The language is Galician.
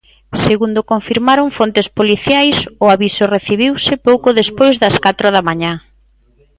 Segundo confirmaron fontes policiais, o aviso recibiuse pouco despois das catro da mañá.